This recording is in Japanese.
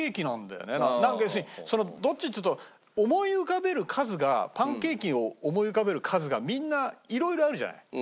なんか要するにどっちっつうと思い浮かべる数がパンケーキを思い浮かべる数がみんな色々あるじゃない。